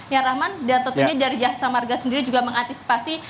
ya rahman dan tentunya dari jasa marga sendiri juga mengantisipasi